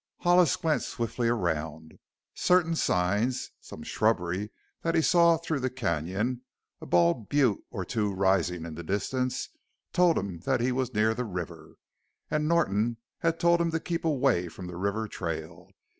Hollis glanced swiftly around. Certain signs some shrubbery that he saw through the canyon, a bald butte or two rising in the distance told him that he was near the river. And Norton had told him to keep away from the river trail.